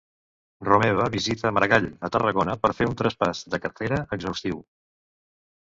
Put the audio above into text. Romeva visita Maragall a Tarragona per fer un traspàs de cartera exhaustiu.